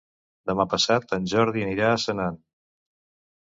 Demà passat en Jordi anirà a Senan.